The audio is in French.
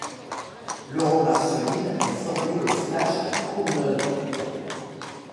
Laurent Marceline est formé au Flash de La Courneuve.